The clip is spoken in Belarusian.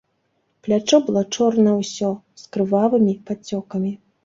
Плячо было чорнае ўсё, з крывавымі падцёкамі.